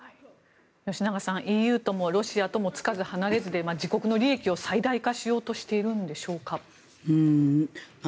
吉永さん、ＥＵともロシアともつかず離れずで自国の利益を最大化しようとしているのでしょうか。